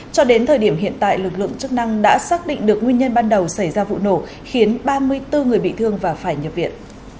cho đến thời điểm hiện tại lực lượng chức năng đã xác định được nguyên nhân ban đầu xảy ra vụ nổ khiến ba mươi bốn người bị thương và phải nhập viện